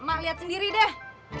emak liat sendiri deh